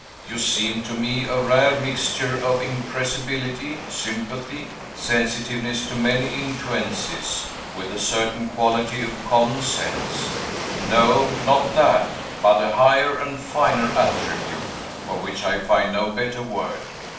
You seemed to me a rare mixture of impressibility, sympathy, sensitiveness to many influences, with a certain quality of common sense; no, not that, but a higher and finer attribute, for which I find no better word.